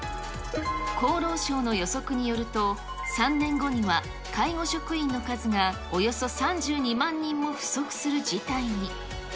厚労省の予測によると、３年後には、介護職員の数がおよそ３２万人も不足する事態に。